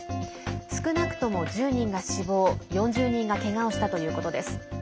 少なくとも１０人が死亡４０人がけがをしたということです。